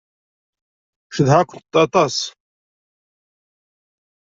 Cedhaɣ-kent aṭas.